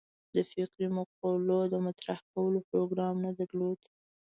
د فکري مقولو د مطرح کولو پروګرام نه درلود.